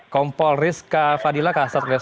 kompol rizka fadila kak asad rizky